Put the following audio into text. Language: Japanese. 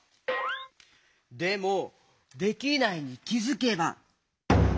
でも「できないに気づけば」？